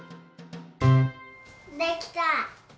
できた！